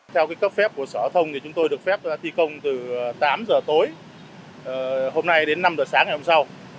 theo cấp phép của sở thông thì chúng tôi được phép thi công từ tám giờ tối hôm nay đến năm h sáng ngày hôm sau